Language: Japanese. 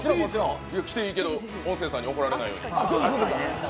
着ていいけど、音声さんに怒られないように。